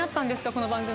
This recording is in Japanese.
この番組。